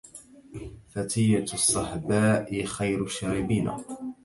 فتية الصهباء خير الشاربين